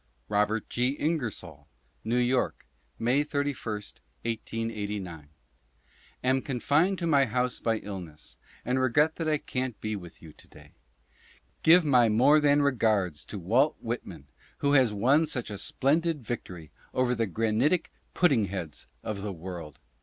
Robert G. Ingersoll: New York, May 31, 1889. Am confined to my house by illness, and regret that I can't be with you to day. Give my more than regards to Walt Whitman, who has won such a splendid victory over the " granitic pudding heads " of the world.